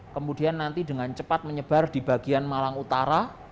kemudian nanti dengan cepat menyebar di bagian malang utara